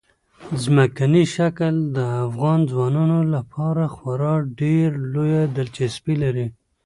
ځمکنی شکل د افغان ځوانانو لپاره خورا ډېره لویه دلچسپي لري.